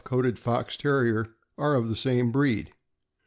coated Fox Terrier are of the same breed.